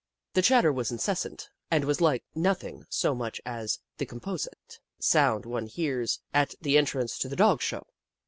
The chatter was incessant and was like nothing so much as the composite sound one hears at the entrance to the Doe Show.